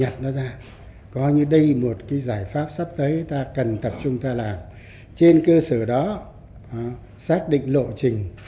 ta cần tập trung ta làm trên cơ sở đó xác định lộ trình